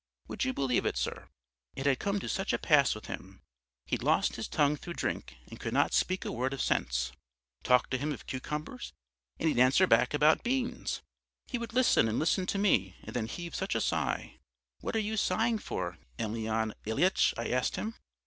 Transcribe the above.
Would you believe it, sir? It had come to such a pass with him, he'd lost his tongue through drink and could not speak a word of sense. Talk to him of cucumbers and he'd answer back about beans! He would listen and listen to me and then heave such a sigh. 'What are you sighing for, Emelyan Ilyitch?' I asked him.